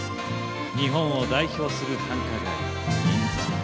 日本を代表する繁華街・銀座。